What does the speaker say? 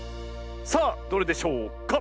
さあどれでしょうか？